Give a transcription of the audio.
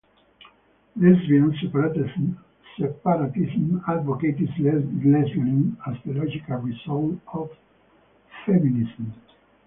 Lesbian separatism advocates lesbianism as the logical result of feminism.